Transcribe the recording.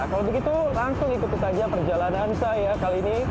kalau begitu langsung ikuti saja perjalanan saya kali ini